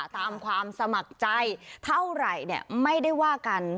ตามความสมัครใจเท่าไหร่เนี่ยไม่ได้ว่ากัน